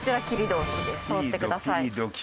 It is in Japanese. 通ってください。